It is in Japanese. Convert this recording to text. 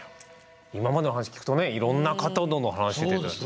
今までのお話を聞くとねいろんな方との話でした。